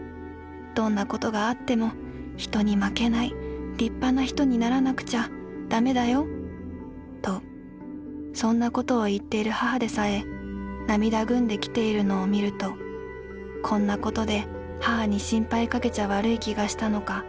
どんなことがあっても人に負けない立派な人にならなくちゃだめだよ』とそんな事をいっている母でさえ涙ぐんで来ているのを見るとこんなことで母に心配かけちゃ悪い気がしたのか